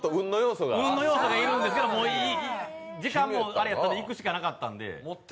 運の要素があるんですけど時間もあったので行くしかなかったので。